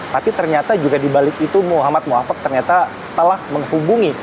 tapi ternyata juga di balik itu muhammad mu'afak ternyata telah menghubungi